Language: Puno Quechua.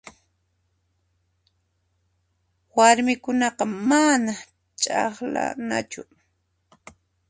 Warmikunataqa mana ch'aqlanachu.